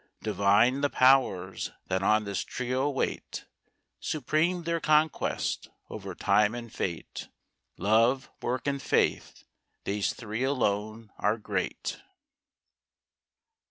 Divine the Powers that on this trio wait. Supreme their conquest, over Time and Fate. Love, Work, and Faith—these three alone are great.